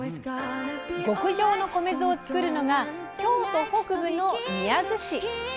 極上の米酢をつくるのが京都北部の宮津市。